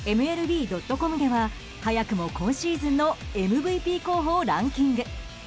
ＭＬＢ．ｃｏｍでは早くも今シーズンのＭＶＰ候補をランキング。